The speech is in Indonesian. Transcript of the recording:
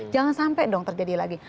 jangan sampai dong terjadi lagi